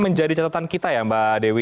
menjadi catatan kita ya mbak dewi